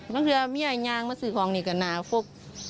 ตั้งแต่ว่ามีอายนางมาสื่อของนี่ก็นาภก